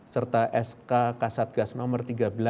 serta sk kasatgas nomor tiga belas